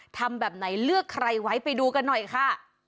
ทำแบบไหนเลือกใครไว้ไปดูกันหน่อยค่ะ